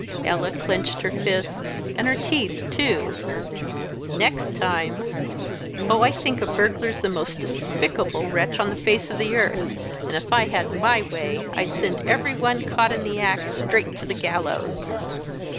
Ella clenched her fists, and her teeth too. "Next time! Oh, I think a burglar's the most despicable wretch on the face of the earth, and, if I had my way, I'd send every one caught in the act right straight to the gallows."